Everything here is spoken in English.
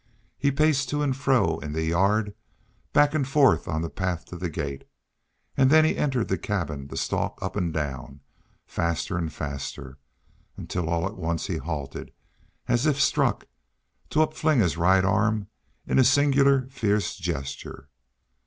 He paced to and fro in the yard, back and forth on the path to the gate, and then he entered the cabin to stalk up and down, faster and faster, until all at once he halted as if struck, to upfling his right arm in a singular fierce gesture.